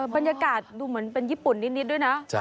บรรยากาศดูเหมือนเป็นญี่ปุ่นนิดด้วยนะ